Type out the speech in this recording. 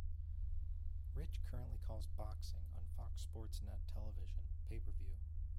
Rich currently calls boxing on Fox Sports Net television, pay per view.